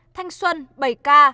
thanh xuân bảy ca